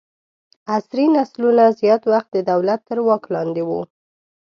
عصري نسلونه زیات وخت د دولت تر واک لاندې وو.